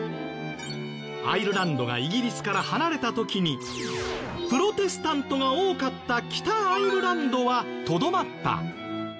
アイルランドがイギリスから離れた時にプロテスタントが多かった北アイルランドはとどまった。